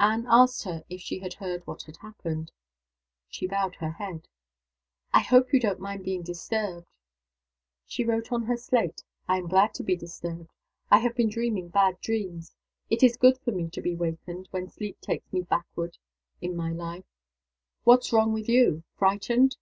Anne asked her if she had heard what had happened. She bowed her head. "I hope you don't mind being disturbed?" She wrote on her slate: "I'm glad to be disturbed. I have been dreaming bad dreams. It's good for me to be wakened, when sleep takes me backward in my life. What's wrong with you? Frightened?"